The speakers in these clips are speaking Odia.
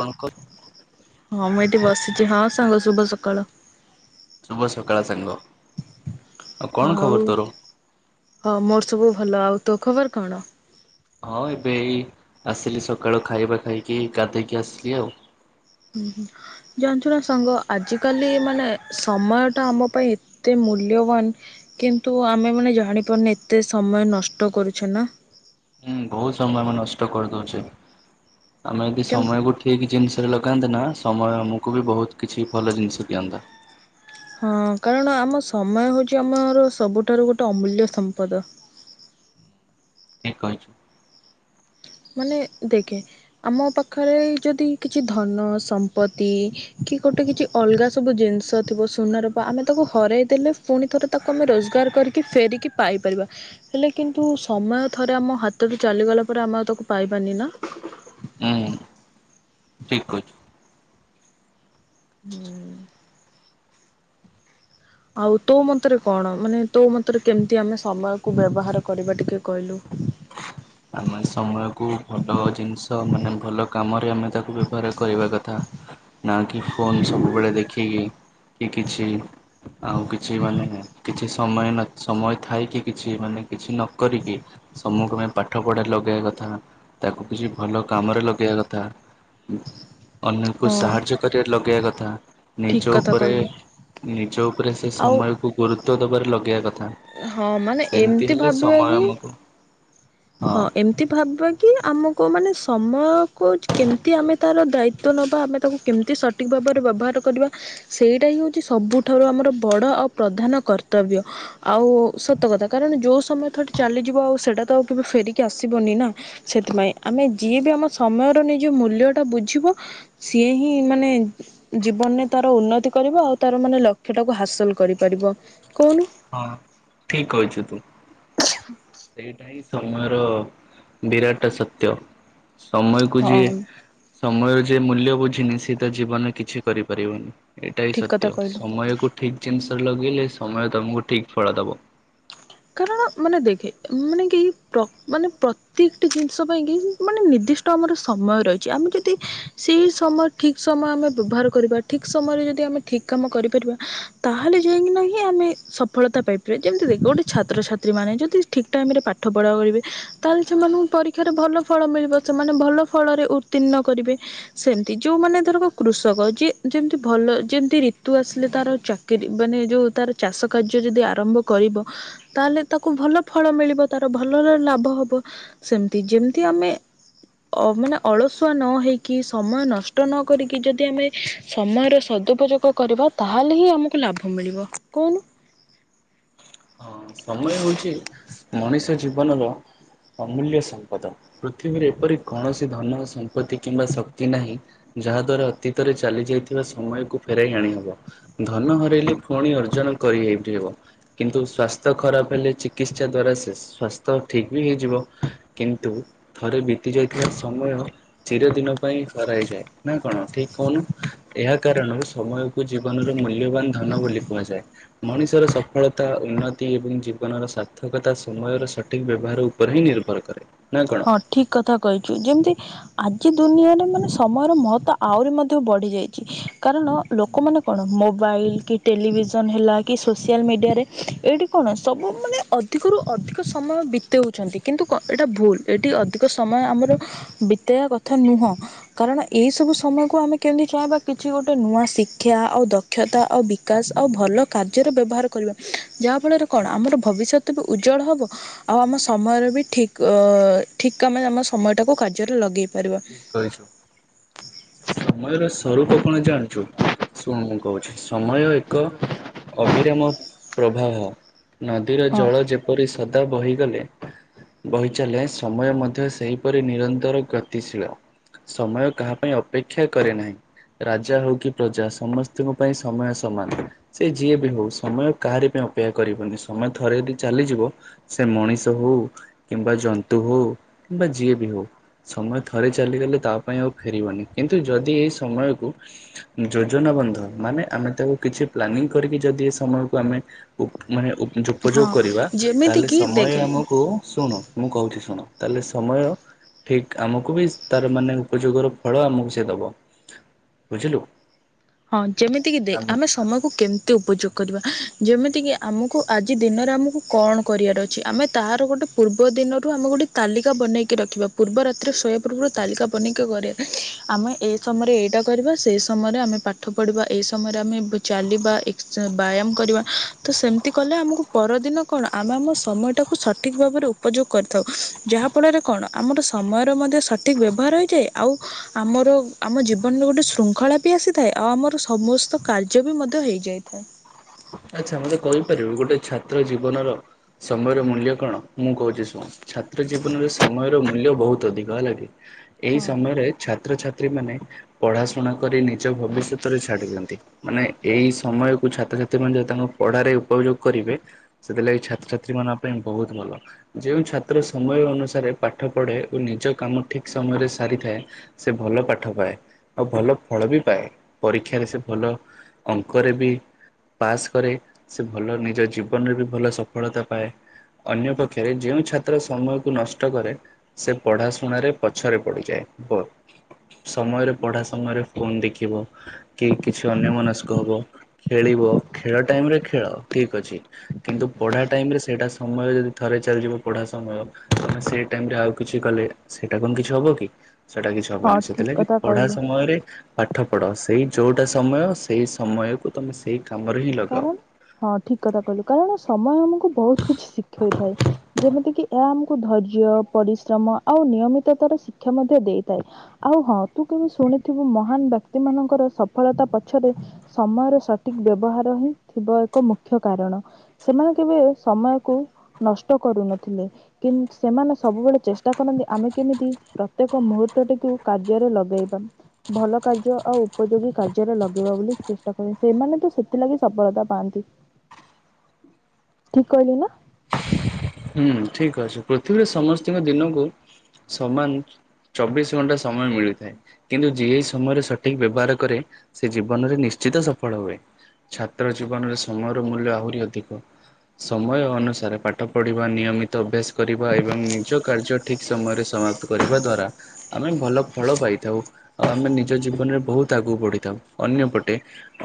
କଣକ ହଁ ମୁଁ ଏଠି ବସିଛି। ହଁ ସାଙ୍ଗ ଶୁଭ ସକାଳ। ଶୁଭ ସକାଳ ସାଙ୍ଗ। କଣ ଆଉ ଖବର ତୋର? ହଁ ମୋର ସବୁ ଭଲ। ଆଉ ତୋ ଖବର କଣ? ହଁ ଏବେ ଏଇ ଆସିଲି ସକାଳୁ ଖାଇବା ଖାଇକି ଗାଧେଇକି ଆସିଲି ଆଉ। ହୁଁ ହୁଁ। ଜାଣିଛୁ ନା ସାଙ୍ଗ ଆଜିକାଲି ମାନେ ସମୟ ଟା ଆମ ପାଇଁ ଏତେ ମୂଲ୍ୟବାନ। କିନ୍ତୁ ଆମେ ମାନେ ଜାଣିପାରୁନେ ଏତେ ସମୟ ନଷ୍ଟ କରୁଛେ ନା? ହୁଁ ବୋହୁତ୍ ସମୟ ଆମେ ନଷ୍ଟ କରିଦେଉଛେ। ଆମେ ଯଦି କେନ୍ ସମୟକୁ ଠି ଠିକ୍ ଜିନିଷରେ ଲଗାନ୍ତେ ନା, ସମୟ ଆମକୁ ବି ବୋହୁତ୍ କିଛି ଭଲ ଜିନିଷ ଦିଅନ୍ତା। ହଁ କାରଣ ଆମ ସମୟ ହଉଛି ଆମର ସବୁଠାରୁ ଗୋଟେ ଅମୂଲ୍ୟ ସମ୍ପଦ। ଠିକ୍ କହିଛୁ। ମାନେ ଦେଖେ ଆମ ପାଖରେ ଯଦି କିଛି ଧନ ସମ୍ପତ୍ତି କି ଗୋଟେ କିଛି ଅଲଗା ସବୁ ଜିନିଷ ଥିବ ସୁନାରୂପା ଆମେ ତାକୁ ହରାଇ ଦେଲେ ପୁଣି ଥରେ ତାକୁ ଆମେ ରୋଜଗାର କରିକି ଫେରିକି ପାଇପାରିବା ହେଲେ କିନ୍ତୁ ସମୟ ଥରେ ଆମ ହାତରୁ ଚାଲିଗଲା ପରେ ଆମେ ଆଉ ତାକୁ ପାଇବାନି ନା? ହୁଁ ଠିକ୍ କହିଛୁ। ହୁଁ। ଆଉ ତୋ ମତରେ କଣ? ମାନେ ତୋ ମତରେ କେମିତି ଆମେ ସମୟକୁ ବ୍ୟବହାର କରିବା ଟିକେ କହିଲୁ? ଆମେ ମାନେ ସମୟକୁ ଭଲ ଜିନିଷ, ମାନେ ଭଲ କାମରେ ଆମେ ତାକୁ ବ୍ୟବହାର କରିବା କଥା। [unintelligible] ନା କି ଫୋନ ସବୁବେଳେ ଦେଖିକି କି କିଛି ଆଉ କିଛି ମାନେ ଏ କିଛି ସମୟ ସମୟ ଥାଇ କିି କିଛି ମାନେ କିଛି ନ କରିକି ସମୟ କୁ ପା ପାଠ ପଢ଼ାରେ ଲଗେଇବା କଥା। ତାକୁ କିଛି ଭଲ କାମରେ ଲଗେଇବା କଥା। ଅନ୍ୟକୁ ହଁ ସାହାଯ୍ୟ କରିବାରେ ଲଗେଇବା କଥା। ଠିକ ନିଜ କଥା ଉପରେ କହିଲୁ ନିଜ ଉପରେ ସେ ଆଉ ସମୟକୁ ଗୁରୁତ୍ୱ ଦବାରେ ଲଗେଇବା କଥା। ହଁ ମାନେ ସେମିତି ଏମିତି ହେଲେ ଭାବିବା ସମୟ କି ଆମକୁ ହଁ ଏମିତି ଭାବିବା କି ଆମକୁ ମାନେ ସମୟକୁ କେମିତି ଆମେ ତାର ଦାୟିତ୍ଵ ନବା ଆମେ ତାକୁ କେମିତି ସ ସଠିକ ଭାବରେ ବ୍ୟବହାର କରିବା ସେଇଟା ହିଁ ହଉଛି ସବୁଠାରୁ ଆମର ବଡ ଆଉ ପ୍ରଧାନ କର୍ତ୍ତବ୍ୟ। ଆଉ ସତ କଥା କାରଣ ଯୋଉ ସମୟ ଥରଟେ ଚାଲିଯିବ ଆଉ ସେଇଟା ତ ଆଉ କେବେ ଫେରିକି ଆସିବନି ନା। ସେଥିପାଇଁ ଆମେ ଯିଏ ବି ଆମ ସମୟର ନିଜ ମୂଲ୍ୟ ଟା ବୁଝିବ ସିଏ ହିଁ ମାନେ ଜୀବନରେ ତାର ଉନ୍ନତି କରିବ ଆଉ ତାର ମାନେ ଲକ୍ଷ୍ୟ ଟାକୁ ହାସଲ କରିପାରିବ କହୁନୁ? ହଁ ଠିକ୍ କହିଛୁ ତୁ। ସେଇଟା ହିଁ ସମୟର ବିରାଟ ସତ୍ୟ। ସମୟକୁ ଯିଏ ହଁ ସମୟ ର ଯେ ମୂଲ୍ୟ ବୁଝିନି ସେ ତା ଜୀବନରେ କିଛି କରିପାରିବନି। ଏଇଟା ହିଁ ଠିକ୍ କଥା ସତ୍ୟ କହିଲୁ। ସମୟକୁ ଠିକ ଜିନିଷରେ ଲଗେଇଲେ ସମୟ ତମକୁ ଠିକ ଫଳ ଦବ। କାରଣ ମାନେ ଦେଖେ ମାନେ କି ପ୍ର ମାନେ ପ୍ରତ୍ୟେକଟି ଜିନିଷ ପାଇଁ କିି। ମାନେ ନିର୍ଦ୍ଦିଷ୍ଟ ଆମର ସମୟ ରହିଛି ଆମେ ଯଦି ସେଇ ସମୟ ଠିକ ସମୟ ଆମେ ବ୍ୟବହାର କରିବା ଠିକ ସମୟରେ ଯଦି ଆମେ ଠିକ କାମ କରିପାରିବା। ତାହେଲେ ଯାଇକିନାହିିଁ ଆମେ ସଫଳତା ପାଇପାରିବା ଯେମିତି ଦେଖ ଗୋଟେ ଛାତ୍ରଛାତ୍ରୀମାନେ ଯଦି ଠିକ ଟାଇମ୍ ରେ ପାଠ ପଢ଼ା କରିବେ ତାହେଲେ ସେମାନଙ୍କୁ ପରୀକ୍ଷାରେ ଭଲ ଫଳ ମିଳିବ। ସେମାନେ ଭଲ ଫଳରେ ଉତ୍ତୀର୍ଣ୍ଣ କରିବେ। ସେମତି ଯଉମାନେ ଧରକ କୃଷକ ଜିଏ ଯେମତି ଭଲ ଯେମତି ରିତୁ ଆସିଲେ ତାର ଚା କିରି ମାନେ ଯୋଉ ତାର ଚାଷ କାର୍ଯ୍ୟ ଯଦି ଆରମ୍ଭ କରିବ ତାହେଲେ ତାକୁ ଭଲ ଫଳ ମିଳିବ ତାର ଭଲରେ ଲାଭ ହବ ସେମିତି ଯେମିତି ଆମେ ଅ ମାନେ ଅଳସୁଆ ନ ହେଇକି ସମୟ ନଷ୍ଟ ନ କରିକି ଯଦି ଆମେ ସମୟର ସଦୁପଯୋଗ ଗ କରିବା ତାହେଲେ ହିଁ ଆମକୁ ଲାଭ ମିଳିବ କଉନୁ। ହଁ ସମୟ ହଉଛି ମଣିଷ ଜୀବନର ଅମୂଲ୍ୟ ସମ୍ପଦ। ପୃଥିବୀରେ ଏପରି କୌଣସି ଧନ ସମ୍ପତ୍ତି କିମ୍ବା ଶକ୍ତି ନାହିଁ ଯାହା ଦ୍ଵାରା ଅତୀତରେ ଚାଲି ଯାଇଥିବା ସମୟକୁ ଫେରାଇ ଆଣିହବ। ଧନ ହରାଇଲେ ଫୁଣି ଅର୍ଜନ କରି ହେଇାପାରିବ କିନ୍ତୁ ସ୍ଵାସ ସ୍ୱାସ୍ଥ୍ୟ ଖରାପ ହେଲେ ଚିକିତ୍ସା ଦ୍ଵାରା ସେ ସ୍ୱାସ୍ଥ୍ୟ ଠିକ ବି ହେଇଯିବ କିନ୍ତୁ ଥରେ ବିତି ଯାଇଥିବା ସମୟ ଚିର ଦିନ ପାଇଁ ହରାଇଯାଏ ନା କଣ ଠିକ କହୁନୁ। ଏହା କାରଣରୁ ସମୟକୁ ଜୀବନର ମୂଲ୍ୟବାନ ଧନ ବୋଲି କୁହାଯାଏ। ମଣିଷର ସଫଳତା ଉନ୍ନତି ତି ଏବଂ ଜୀବନର ସାର୍ଥକତା ସମୟର ସଠିକ ବ୍ୟବହାର ଉପରେ ହିଁ ନିର୍ଭର କରେ ନା କଣ? ଠିକ କଥା କହିଛୁ ଯେମତି ଆଜି ଦୁନିଆରେ ମାନେ ସମୟର ମହତ ଆହୁରି ମଧ୍ୟ ବଢି ଯାଇଚି କାରଣ ଲୋକମାନେ କଣ ମୋବାଇଲ କି ଟେଲିଭିଜନ ହେଲା କି ସୋସିଆଲ ମିଡ଼ିଆରେ ଏଇଠି କଣ ସବୁ ମାନେ ଅ ଅଧିକରୁ ଅଧିକ ସମୟ ବିତଉଛନ୍ତି କିନ୍ତୁ କଣ ଏଇଟା ଭୁଲ୍। ଏଇଠି ଅଧିକ ସମୟ ଆମର ବିତେଇବା କଥା ନୁହଁ। କାରଣ ଏଇ ସବୁ ସମୟକୁ ଆମେ କେମିତି ଚାହିଁବା କିଛି ଗୋଟେ ନୂଆ ଶିକ୍ଷା ଆଉ ଦ ଦକ୍ଷତା ଆଉ ବିକାଶ ଆଉ ଭଲ କାର୍ଯ୍ୟର ବ୍ୟବହାର କରିବା ଯାହାଫଳରେ କଣ ଆମର ଭବିଷ୍ୟତ ତ ଉଜ୍ଜଳ ହବ ଆଉ ଆମ ସମୟର ବି ଠିକଅ ଏ ଠିକ ଆମେ ଆମ ସମୟ ଟାକୁ କାର୍ଯ୍ୟରେ ଲଗେଇ ପାରିବା। ଠିକ୍ ସମୟର ସ୍ୱରୂପ କଣ ଜାଣିଛୁ? ଶୁଣୁ ମୁଁ କହୁଛି ସମୟ ଏକ ଅବିରାମ ପ୍ରଭାବ। ନଦୀର ହଁ। ଜଳ ଯେପରି ସ ତ ବହିଗଲେ ବହିଚାଲେ ସମୟ ମଧ୍ୟ ସେହିପରି ନିରନ୍ତର କା ତି ଶୀଳ ସମୟ କାହା ପାଇଁ ଅପେକ୍ଷା କରେ ନାହିଁ। ରାଜା ହଉ କି ପ୍ରଜା ସମସ୍ତଙ୍କ ପାଇଁ ସମୟ ସମାନ। ସେ ଯିଏ ବି ହଉ ସମୟ କାହାରି ପାଇଁ ଅପେକ୍ଷା କରିବନି ସମୟ ଥରେ ଯଦି ଚାଲିଯିବ। ସେ ମଣିଷ ହଉ କିମ୍ବା ଜନ୍ତୁ ହଉ କିମ୍ବା ଯିଏ ବି ହଉ। ସମୟ ଥରେ ଚାଲିଗଲେ ତା ପାଇଁ ଆଉ ଫେରିବନି କିନ୍ତୁ ଯଦି ଏଇ ସମୟକୁ ଯୋଜନା ବନ୍ଧ ମାନେ ଆମେ ତାକୁ କିଛି ପ୍ଲାନିଂ କରିକି ଯଦି ଏ ସମୟକୁ ଆମେ ଉପ ମାନେ ଉପଯୋଗ ହଁ କରିବା ଯେମିତି ତାହେଲେ କିି ସମୟ ଦେଖେ ଆମକୁ କୁ ଶୁଣ ମୁଁ କହୁଛି ଶୁଣ ତାହେଲେ ସମୟ ଠିକ୍ ଆମକୁ ବି ତାର ମାନେ ଉପଯୋଗର ଫଳ ଆମକୁ ସେ ଦେବ। ବୁଝିଲୁ। ହଁ ଯେମିତି କିି ଦେଖ ଆମେ ସମୟକୁ କେମିତି ଉପଯୁକ କରିବା ଯେମିତିକି ଆମକୁ ଆଜି ଦିନରେ ଆମକୁ କଣ କରିବାର ଅଛି ଆମେ ତାର ଗୋଟେ ପୂର୍ବ ଦିନରୁ ଆମେ ଗୋଟେ ତାଲିକା ବନେଇକି ରଖିବା ପୂର୍ବ ରାତିରରେ ଶୋଇବା ପୂର୍ବରୁ ତାଲିକା ବନେଇକି ଗରେ ଆମେ ଏଇ ସମୟରେ ଏଇଟା କରିବା ସେଇ ସମୟରେ ଆମେ ପା ପାଠ ପଢ଼ିବା ଏ ସମୟରେ ଆମେ ଚାଲିବା। ବ୍ୟାୟାମ କରିବା ତ ସେମିତି କଲେ ଆମକୁ ପରଦିନ କଣ ଆମେ ଆମ ସମୟଟାକୁ ସଠିକ୍ ଭାବରେ ଉପଯୋଗ କରିଥାଉ। ଯାହା ଫଳରେ କଣ ଆମର ସମୟର ମଧ୍ୟ ସଠିକ୍ ବ୍ୟବହାର ହୋଇଯାଏ। ଆଉ ଆମର ଆମ ଜୀବନରେ ଗୋଟେ ଶୃଙ୍ଖଳା ବି ଆସିଥାଏ। ଆଉ ଆମର ସମସ୍ତ କାର୍ଯ୍ୟ ବି ମଧ୍ୟ ହେଇ ଯାଇଥାଏ। ଆଚ୍ଛା ମତେ କହିପାରିବି ଗୋଟେ ଛାତ୍ର ଜୀବନର ସମୟର ମୂଲ୍ୟ କଣ? ମୁଁ କହୁଛି ଶୁଣ। ଛାତ୍ର ଜୀବନରେ ସମୟର ମୂଲ୍ୟ ବହୁତ ଅଧିକ ହେଲା କି ଏଇ ହଁ ସମୟରେ ଛାତ୍ରଛାତ୍ରୀ ମାନେ ପଢାଶୁଣା କରି ନିଜ ଭବିଷ୍ୟତରେ ଛାଡିଦିଅନ୍ତି। ମାନେ ଏଇ ସମୟ କୁ ଛାତ୍ରଛାତ୍ରୀ ମାନ ଯ ତାଙ୍କୁ ପଢାରେ ଉପଯୋଗ କରିବେ। ସେଥିଲାଗି ଛାତ୍ରଛାତ୍ରୀ ମାନଙ୍କ ପାଇଁ ବହୁତ ଭଲ। ଯେଉଁ ଛାତ୍ର ସମୟ ଅନୁସାରେ ପାଠ ପଢେ ଓ ନିଜ କାମ ଠିକ ସମୟରେ ସାରିଥାଏ ସେ ଭଲ ପାଠ ପାଏ ଆଉ ଭଲ ଫଳ ବି ପାଏ। ପରୀକ୍ଷାରେ ସେ ଭଲ ଅଙ୍କରେ ବି ପାସ୍। କରେ ସେ ଭଲ ନିଜ ଜୀବନରେ ବି ଭଲ ସଫଳତା ପାଏ। ଅନ୍ୟ ପକ୍ଷରେ ଯେଉଁ ଛାତ୍ର ସମୟକୁ ନଷ୍ଟ କରେ ସେ ପଢା ଶୁଣାରେ ପଛରେ ପଡିଯାଏ। ସମୟରେ ପଢା ସମୟରେ ଫୋନ ଦେଖିବ। କି କିଛି ଅନ୍ୟ ମନସ୍କ ହବ ଖେଳିବ। ଖେଳ ଟାଇମ ରେ ଖେଳ ଠିକ ଅଛି। କିନ୍ତୁ ପଢା ଟାଇମ ରେ ସେଇଟା ସମୟ ଯଦି ଥରେ ଚାଲିଯିବ ପଢା ସମୟ ତମେ ସେଇ ଟାଇମରେ ଆଉ କିଛି କଲେ ସେଇଟା କଣ କିଛି ହବ କି? ସେଇଟା କିଛି ହଁ ହବନିଁ। ଠିକ ସେଥିଲାଗି କଥା ପଢା କହିଲୁ। ସମୟରେ ପାଠ ପଢ଼। ସେଇ ଯେଉଁଟା ସମୟ ସେଇ ସମୟକୁ ତୁମେ ସେଇ କାମରେ ହିଁ ଲଗାଅ। କାରଣ ହଁ ଠିକ କଥା କହିଲୁ। କାରଣ ସମୟ ଆମକୁ ବହୁତ କିଛି ଶିଖେଇଥାଏ। ଯେମିତିକି ଏହା ଆମକୁ ଧୈର୍ଯ୍ୟ ପରିଶ୍ରମ ଆଉ ନିୟମିତତାର ଶିକ୍ଷା ମଧ୍ୟ ଦେଇଥାଏ। ଆଉ ହଁ ତୁ କେମିତି ଶୁଣିଥିବୁ ମହାନ ବ୍ୟକ୍ତି ମାନଙ୍କର ସଫଳତା ପଛରେ ସମୟର ସଠିକ ବ୍ୟବହାର ହିଁ ଥଥିବା ଏକ ମୁଖ୍ୟ କାରଣ। ସେମାନେ କେବେ ସମୟକୁ ନଷ୍ଟ କରୁନଥିଲେ। କି ସେମାନେ ସବୁବେଳେ ଚେଷ୍ଟା କରନ୍ତି ଆମେ କେମିତି ପ୍ରତ୍ୟେକ ମୁହୂର୍ତ୍ତ ଟିକୁ କାର୍ଯ୍ୟରେ ଲଗେଇବା। ଭଲ କାର୍ଯ୍ୟ ଆଉ ଉପଯୋଗୀ କାର୍ଯ୍ୟରେ ଲଗେଇବା ବୋଲି ଚେଷ୍ଟା କରନ୍ତି। ସେମାନେ ତ ସେ ସେଥିଲାଗି ସଫଳତା ପାଆନ୍ତି। ଠିକ କହିଲି ନା। ହୁଁ ଠିକ ଅଛି ପୃଥିବୀରେ ସମସ୍ତଙ୍କ ଦିନକୁ ସମାନ ଚବିଶ ଘଣ୍ଟା ସମୟ ମିଳିଥାଏ। କିନ୍ତୁ ଯିଏ ସମୟରେ ସଠିକ ବ୍ୟବହାର କରେ ସେ ଜୀବନରେ ନିଶ୍ଚିତ ସଫଳ ହୁଏ। ଛାତ୍ର ଜୀବନରେ ସମୟର ମୂଲ୍ୟ ଆହୁରି ଅଧିକ। ସମୟ ଅନୁସାରେ ପାଠ ପଢ଼ିବା ନିୟମିତ ଅଭ୍ୟାସ କରିବା ଏବଂ ନିଜ କାର୍ଯ୍ୟ ଠିକ ସମୟରେ ସମାପ୍ତ କରିବା ଦ୍ଵାରା ଆମେ ଭଲ ଫଳ ପାଇଥାଉ ଆଉ ଆମେ ନିଜ ଜୀବନରେ ବହୁତ ଆଗକୁ ବଢିଥାଉ। ଅନ୍ୟପଟେ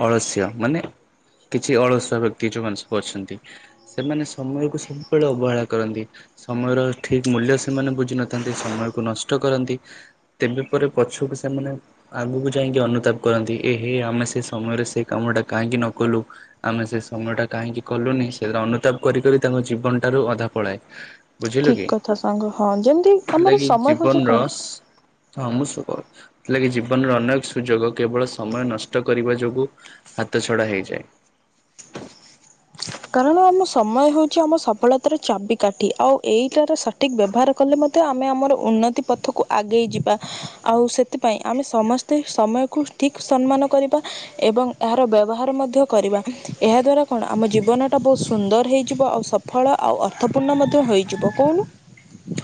ଅଳସ୍ୟ ମାନେ କିଛି ଅଳସୁଆ ବ୍ୟକ୍ତି ଯୋଉମାନେ ସବୁ ଅଛନ୍ତି। ସେମାନେ ସମୟ କୁ ସବୁବେଳେ ଅବହେଳା କରନ୍ତି ସମୟର ଠିକ ମୂଲ୍ୟ ସେମାନେ ବୁଝିନଥାନ୍ତି, ସମୟକୁ ନଷ୍ଟ କରନ୍ତି। ତେବେ ପରେ ପଛକୁ ସେମାନେ ଆଗକୁ ଯାଇକି ଅନୁତାପ କରନ୍ତି ଏ ହେ ଆମେ ସେ ସମୟରେ ସେ କାମ ଟା କାହିଁକି ନ କଲୁ। ଆମେ ସେ ସମୟ ଟା କାହିଁକି କଲୁନି ସେ ଅନୁତାପ କରିିକରି ତାଙ୍କ ଜୀବନ ଟାରୁ ଅଧା ପଳାଏ। ବୁଝିଲୁ ଠିକ କି? କଥା ସାଙ୍ଗ ହଁ ଯେମିତି ଆମର ସେଥିଲାଗି ସମୟ ଜୀବନ ହଉଛି କଣ ରସ ହଁ ମୁଁ, ସେଥିଲାଗି ଜୀବନର ଅନେକ ସୁଯୋଗ କେବଳ ସମୟ ନଷ୍ଟ କରିବା ଯୋଗୁ ହାତ ଛଡା ହେଇଯାଏ। କାରଣ ଆମ ସମୟ ହେଉଛି ଆମ ସଫଳତାର ଚାବି କାଠି, ଆଉ ଏଇଟାର ସଠିକ୍ ବ୍ୟବହାର କଲେ ମଧ୍ୟ ଆମେ ଆମର ଉନ୍ନତି ପଥକୁ ଆଗେଇ ଯିବା। ଆଉ ସେଥିପାଇଁ ଆମେ ସମସ୍ତେ ସମୟକୁ ଠିକ ସମ୍ମାନ କରିବା- ଏବଂ ଏହାର ବ୍ୟବହାର ମଧ୍ୟ କରିବା, ଏହା ଦ୍ଵାରା କଣ ଆମ ଜି ଜୀବନଟା ବହୁତ ସୁନ୍ଦର ହେଇଯିବ ଆଉ ସଫଳ ଆଉ ଅର୍ଥପୂର୍ଣ୍ଣ ମଧ୍ୟ ହୋଇଥ୍ଵବ କହୁନୁ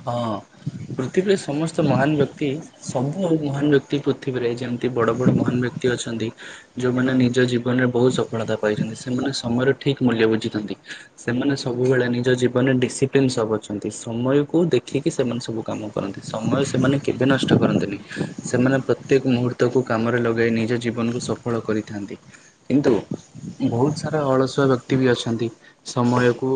ହଁ। ପୃଥିବୀରେ ସମସ୍ତ ମହାନ ବ୍ୟକ୍ତି ସବୁ ଆ ମହାନ ବ୍ୟକ୍ତି ପୃଥିବୀରେ ଯେମତି ବଡ ବଡ ମହାନ ବ୍ୟକ୍ତି ଅଛନ୍ତି। ଯୋଉମାନେ ନିଜ ଜୀବନରେ ବହୁତ ସଫଳତା ପାଇଛନ୍ତି ସେମାନେ ସମୟର ଠିକ୍ ମୂଲ୍ୟ ବୁଝିଛନ୍ତି। ସେମାନେ ସବୁବେଳେ ନିଜ ଜୀବନରେ ଡିସିପ୍ଲିନ ସବୁ ଅଛନ୍ତି ସମୟ କୁ ଦେଖିକି ସେମାନେ ସବୁ କାମ କରନ୍ତି ସମୟ ସେମାନେ କେବେ ନଷ୍ଟ କରନ୍ତିନି। ସେମାନେ ପ୍ରତ୍ୟେକ ମୁହୂର୍ତ୍ତକୁ କାମରେ ଲଗାଇ ନିଜ ଜୀବନକୁ ସଫଳ କରିଥାନ୍ତି କିନ୍ତୁ ବହୁତ ସାରା ଅଳସୁଆ ବ୍ୟକ୍ତି ବି ଅଛନ୍ତି। ସମୟକୁ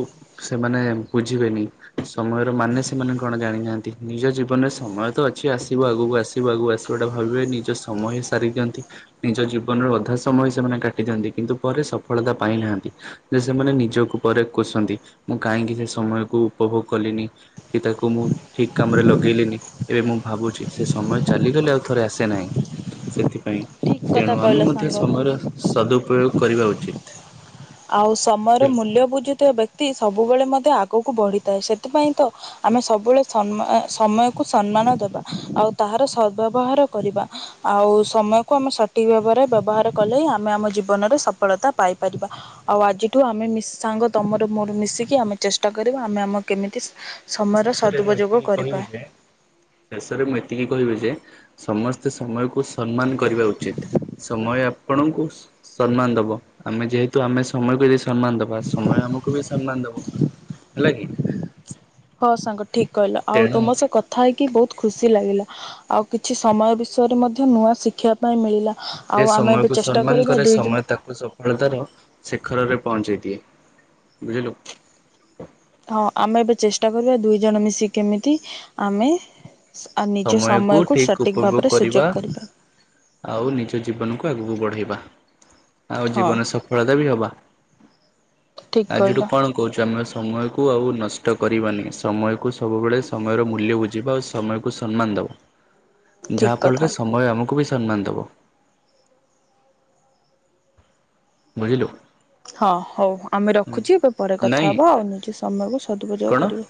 ସେମାନେ ବୁଝିବେନି ସମୟର ମାନେ ସେମାନେ କଣ ଜାଣିନାହାନ୍ତି ନିଜ ଜୀବନରେ ସମୟ ତ ଅଛି ଆସିବ ଆଗକୁ ଆସିବ ଆଗକୁ ଆସିବଟା ଭାବିବେ ନିଜ ସମୟ ସାରି ଦିଅନ୍ତି। ନିଜ ଜୀବନରୁ ଅଧା ସମୟ ସେମାନେ କାଟି ଦିଅନ୍ତି କିନ୍ତୁ ପରେ ସଫଳତା ପାଇନାହାନ୍ତି। ଯେ ସେମାନେ ନିଜକୁ ପରେ କୋଷନ୍ତି ମୁଁ କାହିଁକି ସେ ସମୟକୁ ଉପଭୋଗ କଲିନି। କି ତାକୁ ମୁଁ ଠିକ୍ କାମରେ ଲଗେଇଲିନି। ଏବେ ମୁଁ ଭାବୁଛି ସେ ସମୟ ଚାଲିଗଲେ ଆଉ ଥରେ ଆସେ ନାହିଁ ସେଥିପାଇଁ। ଠିକ କଥା ତେଣୁ ଆମେ କହିଲ ମଧ୍ୟ ସାଙ୍ଗ ସମୟର ସଦୁପୟୋଗ କରିବା ଉଚିତ୍। ଆଉ ସମୟର ମୂଲ୍ୟ ବୁଝୁଥିବା ବ୍ୟକ୍ତି ସବୁବେଳେ ମଧ୍ୟ ଆଗକୁ ବଢିଥାଏ ସେଥିପାଇଁ ତ ଆମେ ସବୁବେଳେ ସମୟକୁ ସମ୍ମାନ ଦବା ଆଉ ତାହାର ସଦ୍ବବ୍ୟବହାର କରିବା। ଆଉ ସମୟକୁ ଆମେ ସଠିକ୍‌ ଭାବରେ ବ୍ୟବହାର କଲେ ଆମେ ଆମ ଜୀବନରେ ସଫଳତା ପାଇପାରିବା। ଆଉ ଆଜିଠୁ ଆମେ ସାଙ୍ଗ ତମର ମୋର ମିଶିକି ଆମେ ଚେଷ୍ଟା କରିବା ଆମେ ଆମ କେମିତି ସମୟର ଶେଷରେ ମୁଁ ସଦୁପଯୋଗ ଏତିକି କହିବି କରିବା। ଯେ ଶେଷରେ ମୁଁ ଏତିକି କହିବି ଯେ ସମସ୍ତେ ସମୟକୁ ସମ୍ମାନ କରିବା ଉଚିତ୍ ସମୟ ଆପଣଙ୍କୁ ସମ୍ମାନ ଦବ ଆମେ ଯେହେତୁ ଆମେ ସମୟକୁ ଯଦି ସମ୍ମାନ ଦବା ସମୟ ଆମକୁ ବି ସମ୍ମାନ ଦବ। ହେଲା କି? ହଁ ସାଙ୍ଗ ଠିକ୍‌ କହିଲ ଆଉ ତେଣୁ ତମର ସେ କ କଥା ହେଇକି ବହୁତ ଖୁସି ଲାଗିଲା ଆଉ କିଛି ସମୟ ବିଷୟରେ ମଧ୍ୟ ନୂଆ ଶିଖିବା ପାଇଁ ମିଳିଲା। ଯେ ଆଉ ଆମେ ସମୟକୁ ଏବେ ଚେଷ୍ଟା ସମ୍ମାନ କରିବା କରେ ଦୁଇ ଜଣ ସମୟ ତାକୁ ସଫଳତାର ଶିଖରରେ ପହଞ୍ଚେଇ ଦିଏ ବୁଝିଲୁ। ହଁ ଆମେ ଏବେ ଚେଷ୍ଟା କରିବା ଦୁଇ ଜଣ ମିଶିକି କେମିତି ଆମେ ନିଜ ସମୟକୁ ଠିକ ସଠିକ୍ ଉପଭୋଗ ଭାବରେ କରିବା ସୁଯୋଗ କରିପାରେ। ଆଉ ନିଜ ଜୀବନକୁ ଆଗକୁ ବଢେଇବା। ଆଉ ହଁ ଜୀବନ ସଫଳତା ବି ହବା ଠିକ୍ ଆଜିଠୁ କହିଲ କଣ କହୁଛୁ ଆମେ ସମୟକୁ ଆଉ ନଷ୍ଟ କରିବାନି ସମୟକୁ ସବୁବେଳେ ସମୟର ମୂଲ୍ୟ ବୁଝିବା। ସମୟକୁ ସମ୍ମାନ ଦେବ ଠିକ୍ କଥା ଯାହାଫଳରେ ସମୟ ଆମକୁ ବି ସମ୍ମାନ ଦେବ। ବୁଝିଲୁ ହଁ ହଉ ଆମେ ରଖୁଛି ଏବେ ପରେ କଥା ନାଇଁ ହବ ଆଉ ନିଜ ସମୟକୁ ସଦୁପଯୋଗ କଣ? କରିବେ।